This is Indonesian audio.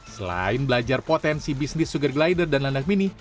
selain belajar potensi bisnis sugar glider dan landak mini